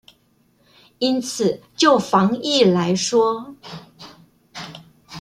因此就防疫來說